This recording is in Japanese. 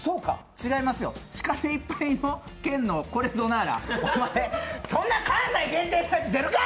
違いますよ、シカでいっぱいの県のこれぞ奈ー良、お前、そんな関西限定のやつ出るか！